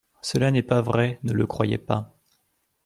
Cela n'est pas vrai ; ne le croyez pas.